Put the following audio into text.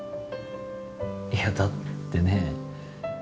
いやだってね。